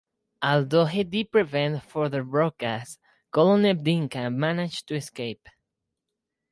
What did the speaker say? Although he did prevent further broadcasts, Colonel Dimka managed to escape.